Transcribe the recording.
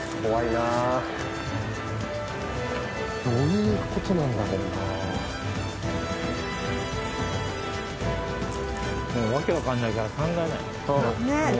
どういうことなんだろうな。